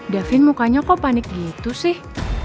davin mukanya kok panik gitu sih